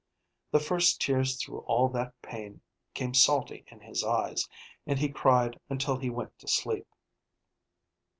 The first tears through all that pain came salty in his eyes, and he cried until he went to sleep.